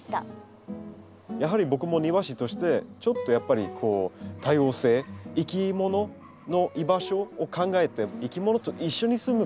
やはり僕も庭師としてちょっとやっぱり多様性いきものの居場所を考えていきものと一緒に住む環境